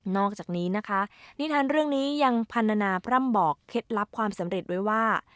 อกจากนี้นะคะนิทานเรื่องนี้ยังพันธนาพร่ำบอกเคล็ดลับความสำเร็จไว้ว่า